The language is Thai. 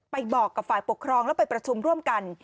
บอกกับฝ่ายปกครองแล้วไปประชุมร่วมกัน